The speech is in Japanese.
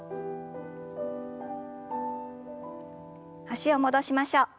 脚を戻しましょう。